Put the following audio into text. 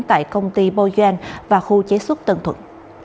tại công ty bogan và khu chế xuất tân thuận